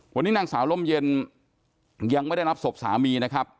วันนี้นางสาวล่มเย็นยังไม่ได้รับศพสามีนะครับ